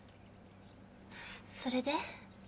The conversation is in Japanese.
それで？